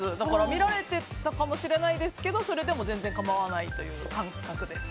見られていたかもしれないですけどそれでも全然構わないという感覚です。